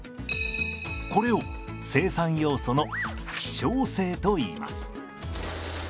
これを生産要素の希少性といいます。